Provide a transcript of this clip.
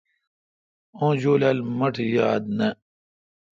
اوں جولال مہ ٹھ یاد نہ۔